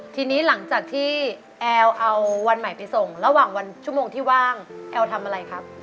ทีนี้หลังจากที่แอลเอาวันใหม่ไปส่งระหว่างวันชั่วโมงที่ว่างแอลทำอะไรครับ